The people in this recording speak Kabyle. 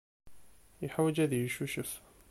Yeḥwaj ad yeccucef.